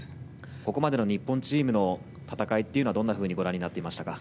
ここまでの日本チームの戦いは、どんなふうにご覧になっていましたか？